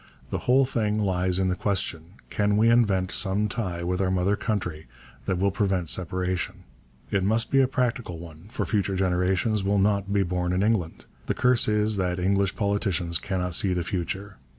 The whole thing lies in the question, Can we invent some tie with our mother country that will prevent separation? It must be a practical one, for future generations will not be born in England. The curse is that English politicians cannot see the future.